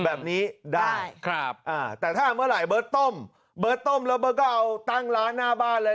แบบนี้ได้ครับอ่าแต่ถ้าเมื่อไหร่เบิร์ตต้มเบิร์ตต้มแล้วเบิร์ตก็เอาตั้งร้านหน้าบ้านเลย